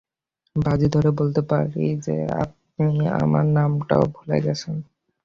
বাজি ধরে বলতে পারি যে আপনি আমার নামটাও ভুলে গেছেন!